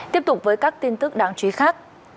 tiếp tục với các tin tức đáng chú ý khác